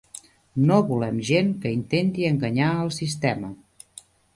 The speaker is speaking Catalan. No volem gent que intenti enganyar al sistema.